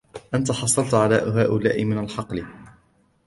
أنتَ حصلت على هؤلاء من الحقل؟